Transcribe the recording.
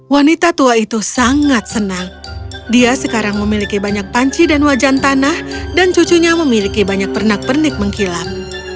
wanita tua itu sangat senang dia sekarang memiliki banyak panci dan wajan tanah dan cucunya memiliki banyak pernak pernik mengkilap